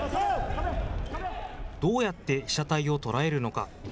どうやって被写体を捉えるのか。